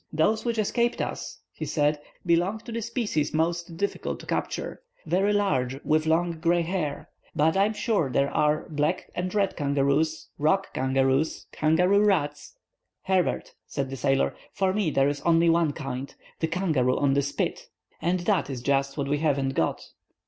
"Those which escaped us," he said, "belong to the species most difficult to capture—very large, with long grey hair, but I am sure there are black and red kangaroos, rock kangaroos, kangaroo rats—" "Herbert," said the sailor, "for me there is only one kind—the 'kangaroo on the spit'—and that is just what we haven't got."